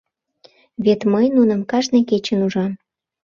Вет мый нуным кажне кечын ужам.